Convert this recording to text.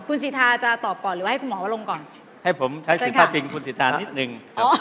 คุณสิทธาจะตอบก่อนหรือว่าให้คุณหมอวะลงก่อนให้ผมใช้สิทธิภาพปิงคุณสิทานิดนึง